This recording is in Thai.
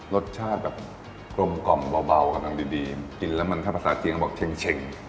รสชาติแบบกลมกล่อมเบากำลังดีกินแล้วมันถ้าภาษาจีนก็บอกเช็ง